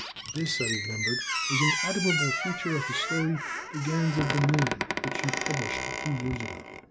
This, I remembered, was an admirable feature in his story "Brigands of the Moon," which you published two years ago.